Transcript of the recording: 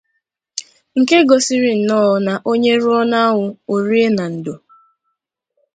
nke gosiri nnọọ na onye rụọ n'anwụ o rie na ndò.